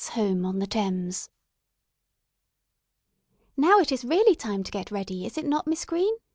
EDITH'S HOME ON THE THAMES "NOW it is really time to get ready, is it not, Miss Green?"